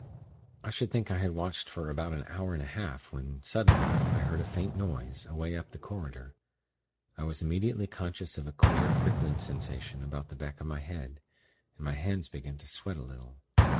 "I should think I had watched for about an hour and a half, when, suddenly, I heard a faint noise, away up the corridor. I was immediately conscious of a queer prickling sensation about the back of my head, and my hands began to sweat a little.